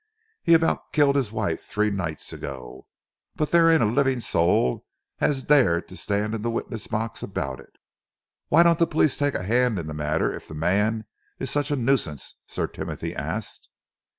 'E about killed 'is wife, three nights ago, but there ain't a living soul as 'd dare to stand in the witness box about it." "Why don't the police take a hand in the matter if the man is such a nuisance?" Sir Timothy asked.